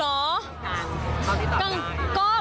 ต้องติดตามมา